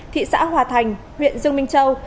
thị xã hòa thành huyện dương minh châu